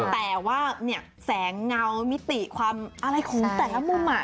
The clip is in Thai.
แต่ว่าเนี่ยแสงเงามิติความอะไรของแต่ละมุม